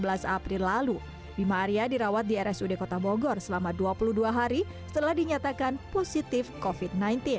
pada sebelas april lalu bima arya dirawat di rsud kota bogor selama dua puluh dua hari setelah dinyatakan positif covid sembilan belas